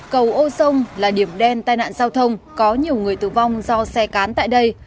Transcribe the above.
cầu ô sông là điểm đen tai nạn giao thông có nhiều người tử vong do xe cán tại đây